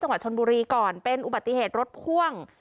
จังหวัดชนบุรีก่อนเป็นอุบัติเหตุรถพ่วง